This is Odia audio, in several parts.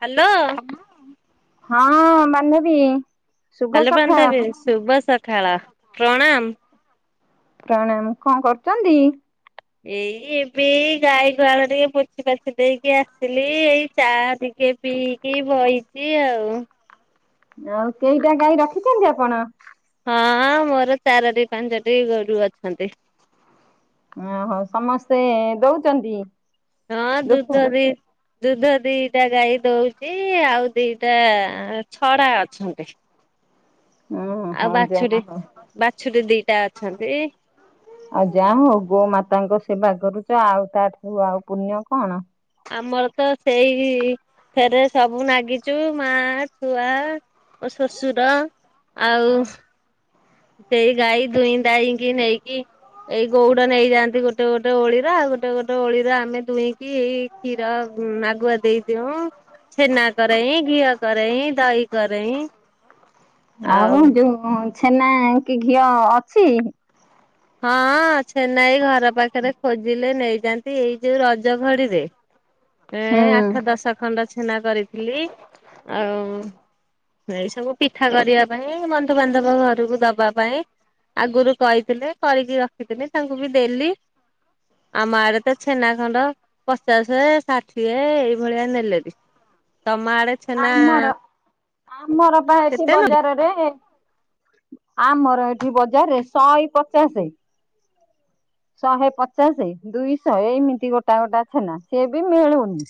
[inaudible] ହ୍ୟାଲୋ। ହଁ ବାନ୍ଧବୀ ଶୁଭ ହଲୋ ସକାଳ। ପ୍ରତା ଶୁଭ ସକାଳ ପ୍ରଣାମ। ପ୍ରଣାମ କଣ କରୁଛନ୍ତି? ଏଇ ଏବେ ଗାଈଗଳ ଟିକେ ପୋଛି ପାଛି ଦେଇକି ଆସିଲି ଏଇ ଚା ଦ ଟିକେ ପିଇକି ବହିଛି ଆଉ। ଆଉ କେଇଟା ଗାଈ ରଖିଛନ୍ତି ଆପଣ ହଁ ମୋର ଚାରୋଟି ପାଞ୍ଚଟି ଗୋରୁ ଅଛନ୍ତି। ଓହୋ ସମସ୍ତେ ଦଉଛନ୍ତି। ହଁ ଦୁଗ୍ଧ? ଦୁଧରେ ଦୁଧ ଦିଟା ଗାଈ ଦଉଛି ଆଉ ଦିଟା ଛରା ଅଛନ୍ତି। ଉଁ ଆଉ ହଁ ଯାହା ବାଛୁରୁରୀ ହଉ ବାଛୁରୀ ଦିଟା ଅଛନ୍ତି। ଆଉ ଯା ହଉ ଗୋ ମାତାଙ୍କ ସେବା କରୁଛ ଆଉ ତାଠକୁ ଆଉ ପୁଣ୍ୟ କଣ ଆମର ତ ସେଇ ଫରେ ସବୁ ନାଗିଛୁ ମା ଛୁଆ ଓ ଶ୍ୱଶୁର ଆଉ ସେଇ ଗଈ ଧୋଇଇ ଦାଇ କିି ନଁକି ଏଇ ଗଉଡ ନେଇଯାଆନ୍ତି ଗୋଟେ ଗୋଟେ ଓଳିର ଗୋଟେ ଗୋଟେ ଓଳିରେ ଆମେ ଦୁହିଁକି ଏଇ କ୍ଷୀର ହୁଁ ଆଗୁଆ ଦେଇଦଉ ଛେନା କରାଇ ଘିଅ କରରୋଇ ଦହି କରରୋଇ। ଆଉ ଯୋଉ ଛେନା କି ଘିଅ ଅଛି। ହଁ ଚେନାଇ ଘର ପାଖରେ ଖୋଜିଲେ ନେଇଯାଆନ୍ତି ଏଇ ଯୋଉ ରଜଘଡିରେ ହୁଁ ଏଁ ଆଠ ଦଶ ଖଣ୍ଡ ଛେନା କରିଥିଲି ଆଉ। ଏଇ ସବୁ ପିଠା କରିବା ପାଇଁ ବନ୍ଧୁବାନ୍ଧବ ଘରକୁ ଦବା ପାଇଁ। ଆଗରୁ କହିଥିଲେ କରିକି ରଖିଥିଲେ ତାଙ୍କୁ ବି ଦେଲି ଆମାରେ ତ ଛେନା ଖଣ୍ଡ ପଚାଶ ସାଠି ଏ ଏଇଭଳିଆ ନେଲେରି ତମ ଆଡେ ଛେନା ମୋର ପା ଏଠି କେତେ ନଉଚି? ବଜାରରେ ଆମର ଏଠି ବଜାରରେ ଶହେ ପଚାଶ ଶହେ ପଚାଶ ଦୁଇଶ ଏମିତି ଗୋଟା ଗୋଟା ଛେନା ସିଏ ବି ମିଳୁନି।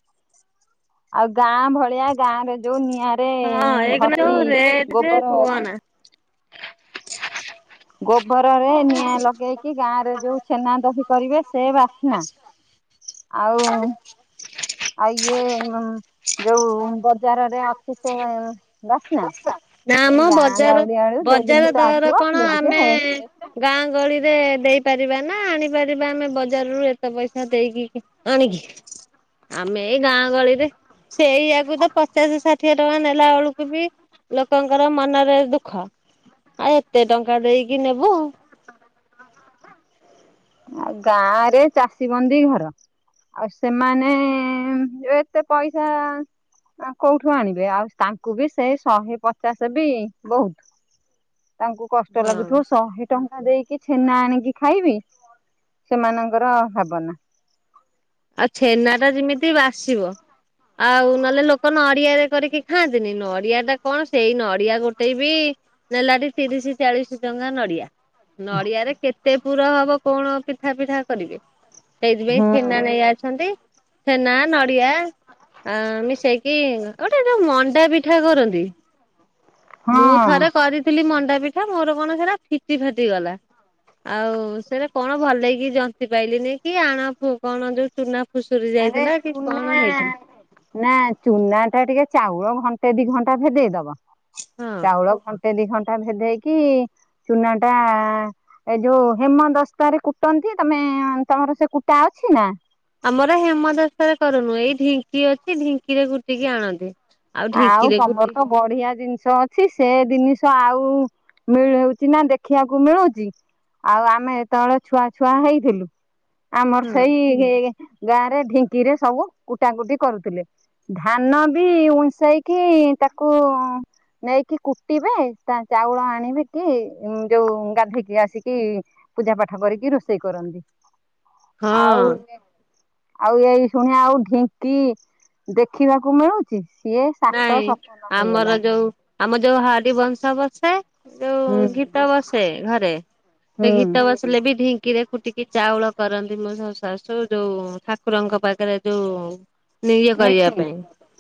ଆଉ ଗାଁ ଭଳିଆ ଗାଁ ରେ ଯୋଉ ନି। ଗଁ ରେ ହଁ ଏଇଖିଣା ଘଷି ଯୋଉ ରେଟ ଯେ ଗୋବର କୁହନା ଗୋବରରେ ନିଆଁ ଲଗେଇକି ଗାଁ ରେ ଯୋଉ ଛେନା ଦହି କରିବେ ସେ ବାସ୍ନା ଆଉ ଆଉ ଇଏ ଯୋଉ ବଜାରରେ ଅଛି ସେ ବାସ୍ନା ନା ସେ ଆମ ଗାଁ ବଜାର ଗାଉଡି ବେଳୁ ଯୋଉ ବଜାର ଜିନିଷ ଦର ଆସିବ କଣ ସିଏ ଆମେ ଟିକେ ଗାଁ ଗହଳିରେ ଦେଇପାରିବା। ନା ଆଣିପାରିବା ଆମେ ବଜାରରୁୁ ଏତେ ପଇସା ଦେଇକି ଆଣିକି ଆମେ ଏଇ ଗାଁ ଗହଳିରେ ସେ ଏଇଆାକୁ ତ ପଚାଶଷାଠି। ରଙ୍କ ନେଲା ବେଳକୁ ବି ଲୋକଙ୍କର ମନରେ ଦୁଃଖ ଆଉ ଏତେ ଟଙ୍କା ଦେଇକି ନେବୁ। ଆଉ ଗାଁ ରେ ଚାଷୀ ବନ୍ଦୀ ଘର। ଆଉ ସେମାନେ ଏତେ ପଇସା କୋଉଠୁ ଆଣିବେ ଆଉ ତାଙ୍କୁ ବି ସେଇ ଶହେ ପଚାଶ ବି ବହୁତ ତାଙ୍କୁ କଷ୍ଟ ହଁ। ଲାଗୁଥିବ ଶହେ ଟଙ୍କା ଦେଇକି ଛେନା ଆଣିକି ଖାଇବି। ସେମାନଙ୍କର ଭାବନା ଆଉ ଛେନା ଟା ଯେମିତି ଆସିବ ଆଉ ନହେଲେ ଲୋକ ନଡିଆରେ କରିକି ଖାଆନ୍ତିନି ନଡିଆ ଟା କଣ ସେଇ ନଡିଆ ଗୋଟେ ବି ନେଲା ଟ ତିରିଶ ଚାଳିଶ ଟଙ୍କା ନଡିଆ। ନଡିଆରେ କେତେ ପୁର ହବ କଣ ପିଠା ପିଠା କରିବେ ସେଇଥିପାଇଁ ହଁ ଛନା ନେଇ ଅଛନ୍ତି ଛେନା ନଡିଆ। ଆ ମିଶେଇକି ଗୋଟେ ଯୋଉ ମଣ୍ଡା ପିଠା କରନ୍ତି। ମୁଁ ଥରେ କରିଥିଲି ମଣ୍ଡା ପିଠା ମୋର କଣ ସେରା ଫିଚ ଫାଟି ଗଲା। ଆଉ ସେଟ କଣ ଭଲ ହେଇକି ଜନ୍ତି ପାଇଲିନି କି ଆଣ ଫ କଣ ଯୋଉ ସୁନା ଆ ଚୁନା ନା ଚୁନା ଟା ଟିକେ ଚାଉଳ ଘଣ୍ଟେ ଦି ଘଣ୍ଟା ଭେଦେଇଦବ ହଁ। ଚାଉଳ ଘ ଗୋଟେ ଦି ଘଣ୍ଟା ଭେଦେଇକି ଚୁନା ଟା ଏ ଯୋଉ ହେମ ଦସ୍ତାରେ କୁଟନ୍ତି ତମେ ତମର ସେ କୁଟା ଅଛି ନା ଆମର ହେମଦଶରେ କରୁନୁ ଏଇ ଢିଙ୍କି ଅଛି ଢିଙ୍କିରେ ଗୁଟିକି ଆଣନ୍ତି ଆଉ ଢିଙ୍କିରେ ତମର କୁଟି ତ ବଢିଆ ଜିନିଷ ଅଛି ସେ ଜିନିଷ ଆଉ ମିଳଉଛି ନା ଦେଖିବାକୁ ମିଳୁଛି ଆଉ ଆମେ ତଳେ ଛୁଆଛୁଆ ହେଇଥିଲୁ ଆମର ହଁ ସେଇ ଗାଁ ରେ ଢିଙ୍କିରେ ସବୁ କୁଟା କଟି କରୁଥିଲେ ଧାନ ବି ଉନସ୍ ଯଇକି ତାକୁ ନେଇକି କୁଟିବେ ତା ଚାଉଳ ଆଣିବେ କି ଯୋଉ ଗାଧୋଇକି ଆସିକି ପୂଜା ପାଠ କରିକି ରୋଷେଇ କରନ୍ତି ଆଉ ହଁ ଆଉ ଏଇ ଶୁଣିଆ ଆଉ ଢିଙ୍କି ଦେଖିବାକୁ ମିଳୁଛି ସିଏ ସାତ ନାଇଁ ସପନ ହେଇଗଲାଣି। ଆମର ଯୋଉ ଆମ ଯୋଉ ହାରି ବଂଶ ବସେ ଯୋଉ ହୁଁ ଗୀତ ବସେ ଘରେ ସେ ହୁଁ ଗୀତ ବସିଲେ ବି ଢିି କିିରେ କୁଟିକି ଚାଉଳ କରନ୍ତି ମୋ ଶ ଶାଶୁ ଯୋଉ ଠାକୁରଙ୍କ ପାଖରେ ଯୋଉ ନିଇଏ କରିବା ନୀତି ପାଇଁ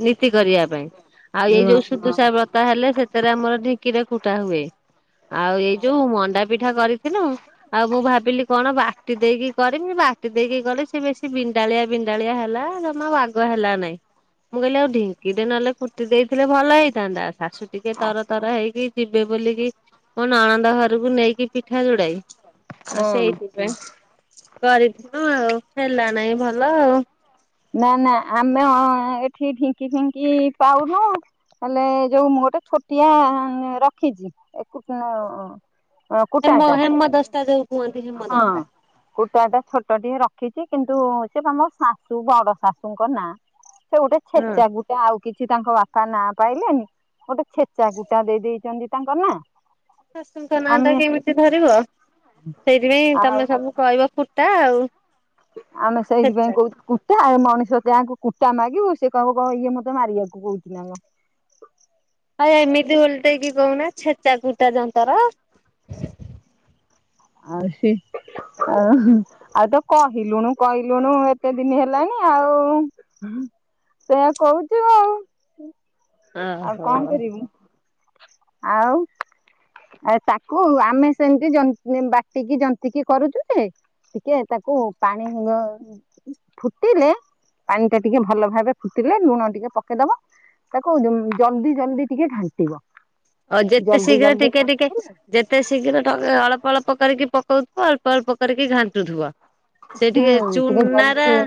ନୀତି କରିବା ପାଇଁ ଆଉ ଏଇ ହଁ ଯୋଉ ସୁଦୁଷା ବ୍ରତା ହେଲେ ସେଥିରେ ଆମର ଢେଙ୍କିରେ କୁଟା ହୁଏ ଆଉ ଏଇ ଯୋଉ ମଣ୍ଡା ପିଠା କରିଥିଲୁ ଆଉ ମୁଁ ଭାବିଲି କଣ ବା ବାଟି ଦେଇକି କରିମି ବାଟି ଦେଇକି କଲି ସେ ବେଶୀ ବିଣ୍ଡାଳିଆ ବିଣ୍ଡାଳିଆ ହେଲା ଜମା ବାଗ ହେଲା ନାଇଁ ମୁଁ କହିଲି ଆଉ ଢଙ୍କି ଟେ ନେଲେ କୁଟି ଦେଇଥିଲେ ଭଲ ହେଇଥାନ୍ତା ଶାଶୁ ଟିକେ ହଁ ତର ତର ହେଇକି ଯିବେ ବୋଲିକି ମୋ ନଣନ୍ଦ ଘରକୁ ନେଇକି ପିଠା ଯୋଡଏ ଆଉ ହୁଁ ସେଇଥିପାଇଁ କରିଥିଲୁ ଆଉ ହେଲା ନାାଇଁ ଭଲ ଆଉ ନା ନା ଆମେ ଏଠି ଢିଙ୍କି ଫିଙ୍କି ପାଉନୁ ହେଲେ ଯୋଉ ଗୋଟେ ଛୋଟିଆ ରଖିଛି କୁଟା ହେମ ଟା ହେମଦସ୍ତା ଯୋଉ କୁହନ୍ତି ହଁ ହେମଦସ୍ତା। କୁଟା ଟା ଛୋଟ ଟିକେ ରଖିଛି କିନ୍ତୁ ସେ ବା ମୋ ଶାଶୁ ବଡ ଶାଶୁଙ୍କ ନାଁ ସେ ଗୋଟେ ହଁ। ଛେଚା ଗୁଟେ ଆଉ କିଛି ତାଙ୍କ ବାପା ନାଁ ପାଇଲେନି ଗୋଟେ ଛେଚା କୁଟା ଦେଇ ଦେଇଦେଇଛନ୍ତି ତାଙ୍କ ନା ଶାଶୁଙ୍କ ନାଁ ଟା କେମିତି ଧରିବ ସେଇଥିପାଇଁ ଆଉ ତମେ ସବୁ କହିବ ପ ଟ ଆଉ ଆମେ ଛେଚା ସେଇଥିପାଇଁ କହୁଛ କୁଟେ ଆ ମଣିଷ ସତେ ଆଙ୍କୁ କୁଟା ମାଗିବୁ ସେ କହିବ କ ଇଏ ମତେ ମାରିବାକୁ କହୁଛି ନା ଆ ଆଉ ଏମିତି ଓଲଟେଇକି କହୁନା ଛେଚା କୁଟା ଯନ୍ତର ଆଉ ସେ ଆଉ ତ କହିଲୁଣୁ କହିଲୁଣୁ ଏତେ ଦିନ ହେଲାଣି ଆଉ ତ କହୁଛୁ ଆଉ ଓ ଆଉ ହୋ କଣ କରିବୁ ଆଉ ଆ ତାକୁ ଆମେ ସେମିତି ଜ ବାଟିକି ଯନ୍ତି କିି କରୁଛୁ ଯେ ଟିକେ ତାକୁ ପାଣି ଫୁଟ ଫୁଟିଲେ ପାଣି ଟା ଟିକେ ଭଲ ଭାବେ ଫୁଟିଲେ ଲୁଣ ଟିକେ ପକେଇଦବା ତା କହୁ ଜଲଦି ଜଲଦି ଟିକେ ଘାଟିବ ଆଉ ଯେତେ ଶୀଘ୍ର ଟିକେ ଟିକେ ଯେତେ ଶୀଘ୍ର ଟେ ଅଳ୍ପ ଅଳପ ପ କରିକି ପକଉଥିବ ଅଳ୍ପ ଅଳ୍ପ କରିକି ଘାଣ୍ଟୁଥିବ ସେ ଟିକେ ହୁଁ ଟିକେ ଚୁନାରା ଜଲ୍ଦି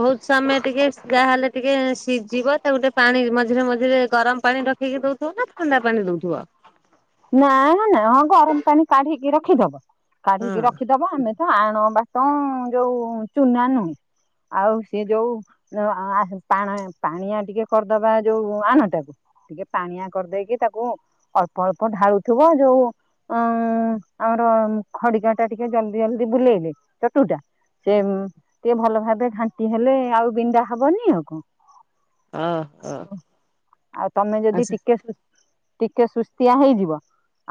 ବହୁତ ସମୟ ଟିକେ ଯାହଲେ ଟିକେ ସିଝିବ ତାକୁ ଗୋଟେ ପାଣି ମଝିରେ ମଝିରେ ଗରମ ପାଣି ରଖିକି ଦଉଥିବ ନା ଥଣ୍ଡା ପାନି ଦଉଥିବ। ନାଇ ନାଁ ହଁ ଗରମ ପାଣି କାଢିକି ରଖିଦବ। ହଁ କାଢିକି ରଖିଦବ ଆମେ ଆଣ ବାଟ ଯୋଉ ଚୁନା ନୁହେଁ ଆଉ ସେ ଯୋଉ ପା ପାଣିଆ ଟିକେ କରିଦବା ଯୋଉ ଆଣଟାକୁ। ଟିକେ ପାଣିଆ କରିଦେଇକି ତାକୁ ଅଳ୍ପ ଅଳ୍ପ ଢାଳୁଥିବ ଯୋଉ ଅଁ ଆମର ଖଡିକା ଟା ଟିକେ ଜଲଦି ଜଲଦି ବୁଲେଇବେ ଚଟୁ ଟା। ସେ ଟିକେ ଭଲ ଭାବେ ଘାଣ୍ଟି ହେଲେ ଆଉ ବିଣ୍ଡା ହବନି ଆଉ କଣ। ଓହୋ। ଆଉ ତମେ ଯଦି ଆଚ୍ଛା ଟିକେ ସୁ ଟିକେ ସୁସ୍ତିଆ ହେଇଯିବ,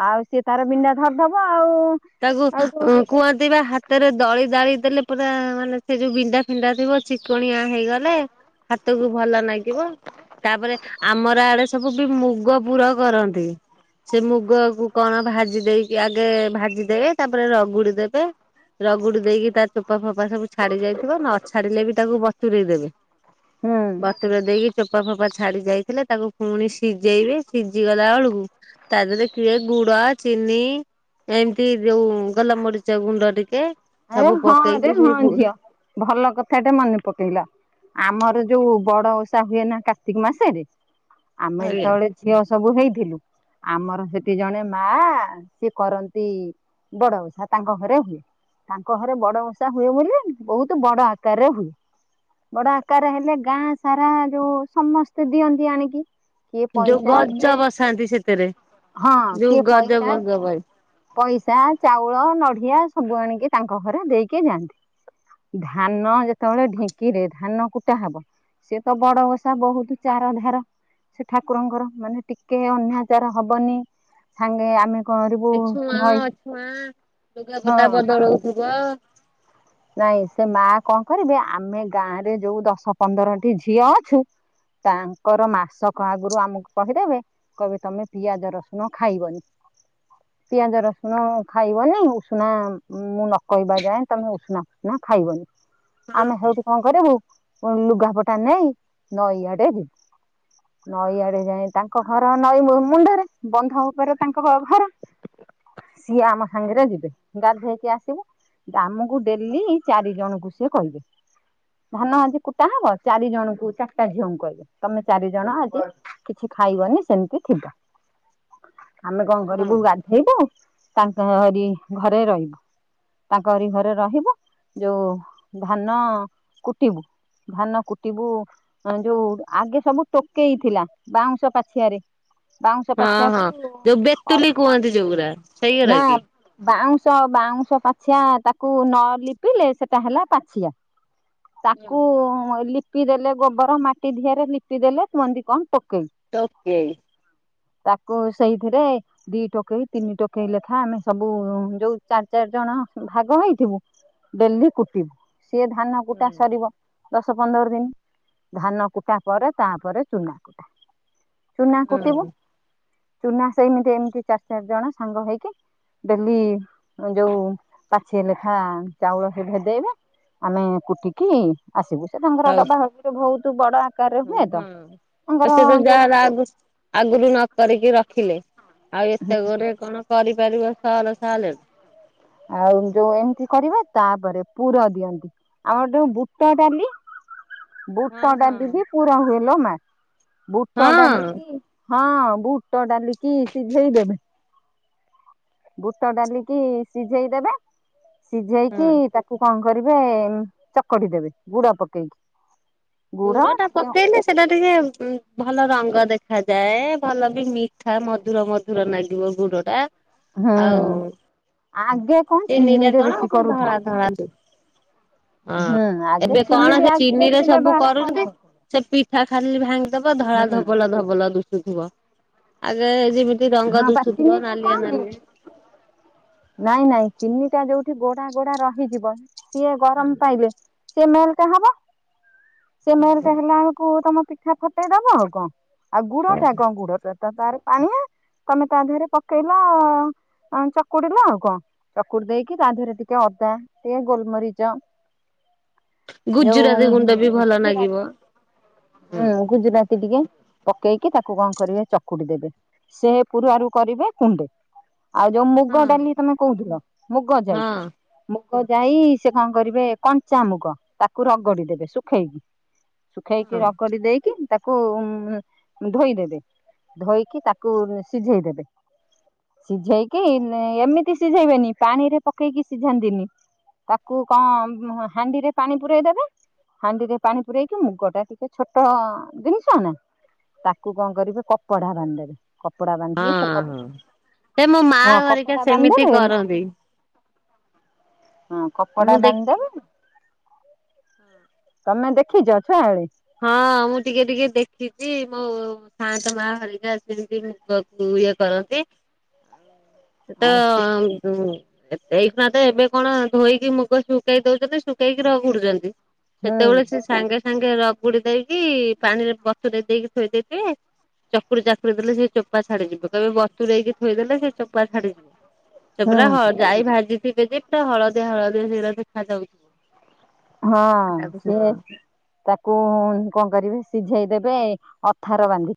ଆଉ ସେ ତାର ବିଁଣ୍ଡା ଧରିଦବ। ଆଉ ତାକୁ ଆଉଠୁ ଉ କୁହନ୍ତି ବା ହାତରେ ଦଳି ଦାଳି ଦେଲେ ପୁରା ମାନେ ସେ ଯୋଉ ବିଣ୍ଡା ଫିଣ୍ଡା ଥିବ ଚିକଣିଆ ହେଇଗଲେ ହାତକୁ ଭଲ ଲାଗିବ। ତାପରେ ଆମର ଆଡେ ସବୁ ବି ମୁଗ ପୁର କରନ୍ତି। ସେ ମୁଗ କୁ କଣ ଭାଜି ଦେଇକି ଆଗେ ଭାଜିଦେବେ ତାପରେ ରଗୁଡ଼ି ଦେବେ। ରଗୁଡି ଦେଇକି ତାର ଚୋପା ଫୋପା ସବୁ ଛାଡି ଯାଇଥିବ ନ ଛାଡିଲେ ବି ତାକୁ ବତୁରଇ ଦେବେ। ହୁଁ ବତର ଦେଇକି ଚ ଫପା ଫପା ଛାଡି ଯାଇଥିଲେ, ତାକୁ ପୁଣି ସିଝେଇବେ ସିଝି ଗଲା ବଳକୁ ତା ଦେହରେ କିଏ ଗୁଡ ଆଉ ଚିନି ଏମିତି ଯଉ ଗଲମରିଚ ଗୁଣ୍ଡ ଟିକେ ମୁଁ ସବୁ ହଁ ରେ ପକେଇକି ସେ ହଁ ଝିଅ ଭଲ କଥାଟେ ମନେ ପକେଇଲ ଆମର ଯୋଉ ବଡ ଓଷା ହୁଏ ନା କାର୍ତ୍ତିକ ମାସରେ ଆମେ ଆଜ୍ଞା ଯେତେବେଳେ ଝିଅ ସବୁ ହେଇଥିଲୁ ଆମର ସେଠି ଜଣେ ମା ସିଏ କରନ୍ତି। ବଡ଼ ଉଷା ତାଙ୍କ ଘରେ ହୁଏ। ତାଙ୍କ ଘରେ ବଡ ଉଷା ହୁଏ ବୋଲି ବହୁତ୍ ବଡ଼ ଆକାରରେ ହୁଏ। ବଡ ଆକାର ହେଲେ ଗାଁ ସାରା ଯୋଉ ସମସ୍ତେ ଦିଅନ୍ତି ଆଣିକି କିଏ ଯୋଉ ପଇସା ଗଜ କିଏ ବସାନ୍ତି ସେଥିରେ ହଁ ଯୋଉ କିଏ ଗଜ ପଇସା ଗଜ ପାଇଁ ପଇସା ଚାଉଳ ନଡିଆ ସବୁ ଆଣିକି ତାଙ୍କ ଘରେ ଦେଇକି ଯାଆନ୍ତି। ଧାନ ଯେତେବେଳେ ଢେଙ୍କି ରେ ଧାନ କୁଟା ହବ ସେ ତ ବଡ ଓଷା ବହୁତ ଚାରଧାର ସେ ଠାକୁରଙ୍କର ମାନେ ଟିକେ ଅନ୍ୟାଚାର ହବନି ସାଙ୍ଗେ ଆମେ କରିବୁ ଛୁଆଁ ନଈ ଅଛୁଆଁ ହଁ ଲୁଗାପଟା ବଦଳଉଥିବ ନାଇଁ ସେ ମା କଣ କରିବେ, ଆମେ ଗାଁ ରେ ଯୋଉ ଦଶ ପନ୍ଦରଟି ଝିଅ ଅଛୁ ତାଙ୍କର ମାସକ ଆଗୁରୁ ଆମକୁ କହିଦେବେ କହିବ ତମେ ପିଆଜ ରସୁଣ ଖାଇବନି। ପିଆଜ ରସୁଣ ଖାଇବନି। ଉଷୁନା ମୁଁ ନ କହିବା ଯାଏ ତମେ ଉଷୁନା ଫୁସନା ଖାଇବନି। ହଁ। ଆମେ ହେଇଟି କଣ କରିବୁ ଓ ଲୁଗାପଟା ନେଇ ନଈ ଆଡେ ଯିବୁ। ନଈଆଡେ ଯାଇ ତାଙ୍କ ଘର ନଈ ମୁ ମୁଣ୍ଡରେ ବନ୍ଧ ଉପରେ ତାଙ୍କ ଘର। ସିଏ ଆମ ସାଙ୍ଗରେ ଯିବେ ଗାଧେଇକି ଆସିବୁ। ଗାମୁ ଡେଲି ଚାରି ଜଣଙ୍କୁ ସେ କହିବେ। ଧାନ ଆଜି କୁଟା ହବ ଚାରି ଜଣଙ୍କୁ ଚାରିଟା ଝିଅଙ୍କୁ କହିବେ ତମେ ଚାରି ଜଣ ଆଜି କିଛି ଖାଇବନି ସେମିତି ଥିବ। ଆମେ କଣ ହଁ କରିବୁ ଗାଧେଇବୁ ତାଙ୍କରି ଘରେ ରହିବୁ ତାଙ୍କରି ଘରେ ରହିବୁ ଯୋଉ ଧାନ କୁଟିବୁ। ଧାନ କୁଟିବୁ ଯୋଉ ଆଗେ ସବୁ ଟୋକେଇଥିଲା ବାଉଁଶ ପାଛିଆରେ ବାଉଁଶ ହଁ ପାଛିଆକୁ ହଁ ଯୋଉ ବେତୁଲି କୁହନ୍ତି ଯୋଉଗୁରା ଅବ୍ ସେଇଗୁରା ନା କି? ବାଉଁ ବାଉଁଶ ପାଛିଆ ତାକୁ ନ ଲିପିଲେ ସେଟା ହେଲା ପାଛିଆ। ତାକୁ ଲିପି ଦେଲେ ଗୋବର ମାଟି ଦିହରେ ଲିପି ଦେଲେ କୁହନ୍ତି କଣ ପୋଟ୍ ଟୋକେ ତାକୁ ସେଇଥିରେ ଦି ଟୋକେଇ ତିନି ଟୋକେଇ ଲେଖା ଆମେ ସବୁ ଯୋଉ ଚାରି ଚାରି ଜଣ ଭାଗ ହେଇଥିବୁ ଡେଲି କୁଟିବୁ। ସିଏ ଧାନ କୁଟା ସରିବ ଦଶ ପନ୍ଦର ଦିନ। ଧାନ କୁଟା ପରେ ତାପରେ ଚୁନା କୁଟା। ଚୁନା କୁଟିବୁ। ହଁ ଚୁନା ସେମିତି ଏମିତି ଚାରି ଚାରି ଜଣ ସାଙ୍ଗ ହେଇକି ଡେଲି ଯୋଉ ପାଛିଏ ଲେଖା ଖାଁ ଚାଉଳ ସେ ଭେଦେଇବେ। ଆମେ କୁଟିକି ଆସିବୁ ସେ ତାଙ୍କର ହଉ ଡବା ହରେ ବହୁତ ବଡ ଆକାରରେ ହୁଏ ତ ହଁ ତାଙ୍କର ସେ ତ ଯୋଉ ଯାହାହେଲା ଆଗ ଆଗରୁ ନକ କରି ରଖିଲେ। ଆଉ ଏତେ ଗୋରେ କଣ କରିପାରିବ ସଲ ସାଲ ଆଉ ଯୋଉ ଏମିତି କରିବା ତାପରେ ପୁର ଦିଅନ୍ତି ଆମର ଯୋଉ ବୁଟ ଡାଲି ହଁ ବୁଟ ହଁ। ଡାଲି ବି ପୁର ହୁଏଲ ମା ବୁଟ ହଁ ଡାଲିକି ହଁ ବୁଟ ଡାଲିକି ସିଝେଇଦେବେ ବୁଟ ଡାଲିକି ସିଝେଇ ଦେବେ ସିଝେଇକି ତାକୁ କଣ କରିବେ ଚକଟି ଦେବେ ଗୁଡ ପକେଇକି। ଗୁଡ ଟା ପକେଇଲେ ସେଟା ଟିକେ ଭଲ ରଙ୍ଗ ଦେଖାଯାଏ ଭଲ ବି ମିଠା ମଧୁର ମଧୁର ଲାଗିବ ଗୁଡ ଟା। ହୁଁ ଆଉ ଆଗେ କଣ ଚିନିରେ କଣ ବେଶୀ ସେ ଧଳା କରୁଥିଲେ। ଧଳା ହଁ ଆଗେ ଏବେ ଚିନି କଣ ବି ସେ ଆଗେ ଚିନିରେ ବେଶୀ ସବୁ ବ୍ୟବହାର କରୁଛନ୍ତି କରୁନୁ ସେ ଟି ମିଠା ଖାଲି ଭାଙ୍ଗିଦବ ଧଳା ହୁଁ ଧବଲ ଧବଲ ଦୁଶୁଥିବ ଆଗେ ଯେମିତି ରଙ୍ଗ ହଁ ଦୁଶୁଥିବ ପାଚିନି ନା ନାଲିଆ କଣ ନାଇଁ ନାଲିଆ। ନାଇଁ ନାଇଁ। ଚିନିଟା ଯୋଉଠି ଗୋଡା ଗୋଡା ରହିଯିବ ସିଏ ଗରମ ପାଇଲେ ସେ ମେଲଟ ହବ ସେ ମେଲଟ ହେଲା ବେଳକୁ ତମ ପିଠା ଫଟେଇ ଦବ ଆଉ କଣ। ଆଉ ଗୁଡ ଟା କଣ ଗୁଡ ଟା ତ ତାର ପାଣିଆ ତମେ ତା ଦେହରେ ପକେଇଲ ଚକୁଡିଲ ଆଉ କଣ ଚକୁଡି ଦେଇକି ତା ଦେହରେ ଟିକେ ଅଦା ଟିକେ ଗୋଲମରିଚ [unintelligible] ଯୋଉ ଗୁଜୁରାତି ଗୁଣ୍ଡ ବି ଭଲ ନାଗିବ। ଗୁଜୁରାତି ହୁଁ ଗୁଜୁରାତି ଟିକେ ପକେଇକି ତାକୁ କଣ କରିବେ ଚକୁଡି ଦେବେ ସେ ପୂରୁ ଆରୁ କରିବେ କୁଣ୍ଡେ। ଆଉ ଯୋଉ ହଁ ମୁଗ ଡାଲି ତମେ କହୁଥିଲ ମୁଗ ଯାଇ ହଁ ମୁ ମୁଗ ଯାଇ ସେ କଣ କରିବେ କଞ୍ଚାାମୁଗ ତାକୁ ରଗଡି ଦେବେ ଶୁଖେଇକି। ଶୁଖେଇକି ହଁ ରଗଡି ଦେଇକି ତାକୁ ଧୋଇଦେବେ ଧୋଇକି ତାକୁ କୁ ସିଝେଇ ଦେବେ। ସିଝେଇକି ଏମିତି ସିଝେଇବେନି ପାଣି ରେ ପକେଇକି ସିଝାନ୍ତିନି। ତାକୁ କଣ ହାଣ୍ଡିରେ ପାଣି ପୁରଇଦବେ ହାଣ୍ଡିରେ ପାଣି ପୁରଇକି ମୁଗ ଟା ଟିକେ ଛୋଟ ଜିନିଷ ନା। ତାକୁ କଣ କରିବେ କପଡା ବାନ୍ଧିଦେବେ। କପଡା ବାନ୍ଧିକି ସେ ହଁ ହଁ। ସେ ମୋ ମା ହଁ ଘରିକା କପଡା ସେମିତି ବାନ୍ଧିଦେବେ କରନ୍ତି ହଁ କପଡା ମୁଁ ଦେଖ ବାନ୍ଧିଦେବେ ତମେ ଦେଖିଛ ଛୁଆବେଳେ ହଁ ମୁଁ ଟିକେ ଟିକେ ଦେଖିଛି ମୋ ସାନ୍ତ ମା ହରିକା ଆସଛନ୍ତି ମୁଗକୁ ପୂଜା କରନ୍ତି। [unintelligible] ସେଟ ସେ ଏଇକ୍ଷୀଣା ତଏବେ କଣ ଧୋଇକି ମୁଗ ଶୁଖେଇ ଦଉଛନ୍ତି ଶୁଖେଇକି ର ଘଡୁଛନ୍ତି। ହୁଁ ସେତେବେଳେ ସେ ସାଙ୍ଗେ ସାଙ୍ଗେ ର ଗୁଡି ଦେଇକି ପାଣିରେ ବତୁରେଇ ଦେଇକି ଥୋଇ ଦେଇେଇକି ଚକୁରୁ ଚାକୁରି ଦେଲେ ସେ ଚୋପା ଛାଡିଯିବ କେବେ ବତୁରେଇକି ଥୋଇଦେଲେ ସେ ଚୋପା ଛାଡିଯିବ। ସେ ହୁଁ ପୁରା ଯାଇ ଭାଜିଥିବେ ଯେ ପୁରା ହଳଦିଆ ହଳଦିଆ ସେଗୁଡା ଦେଖାାଯାଉଥିବ। ହଁ ସିଏ ତାକୁ କଣ କରିବେ ସିଝେଇ ଦେବେ ଅଥାର ବାନ୍ଧିକ।